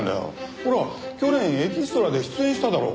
ほら去年エキストラで出演しただろう。